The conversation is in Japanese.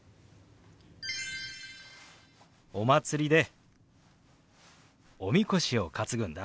お祭りでおみこしを担ぐんだ。